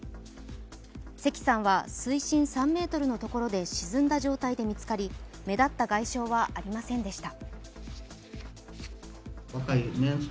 関さんは水深３ｍのところで沈んだ状態で見つかり目立った外傷はありませんでした。